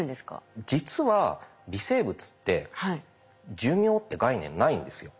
実は微生物って寿命って概念ないんですよ。